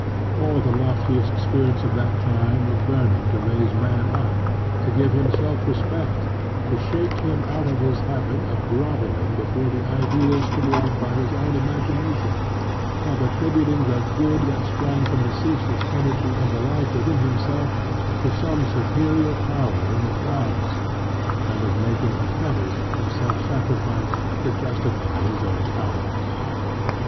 All the loftiest spirits of that time were burning to raise Man up, to give him self respect, to shake him out of his habit of grovelling before the ideals created by his own imagination, of attributing the good that sprang from the ceaseless energy of the life within himself to some superior power in the clouds, and of making a fetish of self sacrifice to justify his own cowardice.